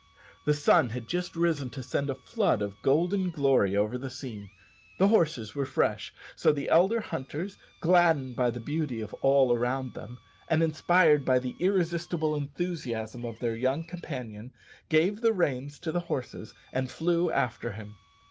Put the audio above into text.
The sun had just risen to send a flood of golden glory over the scene, the horses were fresh, so the elder hunters, gladdened by the beauty of all around them, and inspired by the irresistible enthusiasm of their young companion, gave the reins to the horses and flew after him.